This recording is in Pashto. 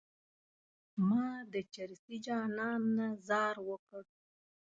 ما د چرسي جانان نه ځار وکړ.